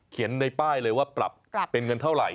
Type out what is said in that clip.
ในป้ายเลยว่าปรับเป็นเงินเท่าไหร